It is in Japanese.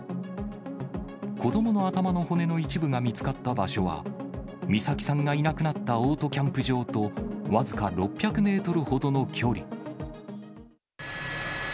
子どもの頭の骨の一部が見つかった場所は、美咲さんがいなくなったオートキャンプ場と、僅か６００メートルほどの距離。